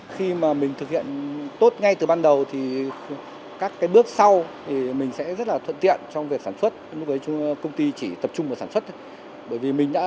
khi mà mình thực hiện tốt ngay từ ban đầu thì các cái bước sau thì mình sẽ rất là thuận tiện trong việc sản xuất lúc đấy công ty chỉ tập trung vào sản xuất thôi